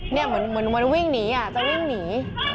เนี่ยเหมือนมันวิ่งหนีอ่ะจะวิ่งหนี